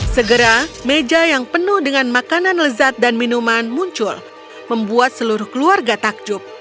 segera meja yang penuh dengan makanan lezat dan minuman muncul membuat seluruh keluarga takjub